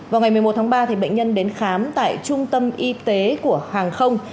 vào ngày một mươi một tháng ba bệnh nhân đến khám tại trung tâm y tế của hàng không